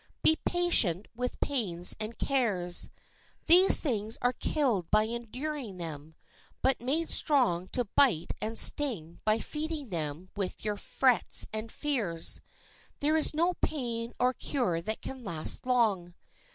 Be patient with pains and cares. These things are killed by enduring them, but made strong to bite and sting by feeding them with your frets and fears. There is no pain or cure that can last long.